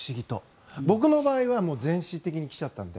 僕の場合は全身的に来ちゃったので。